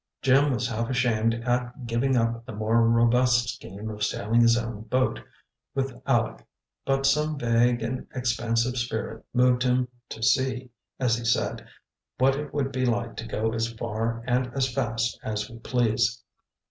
Jim was half ashamed at giving up the more robust scheme of sailing his own boat, with Aleck; but some vague and expansive spirit moved him "to see," as he said, "what it would be like to go as far and as fast as we please."